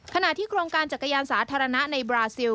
ขณะที่โครงการจักรยานสาธารณะในบราซิล